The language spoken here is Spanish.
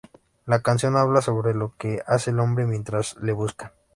La canción habla sobre lo que hace el hombre mientras le buscan.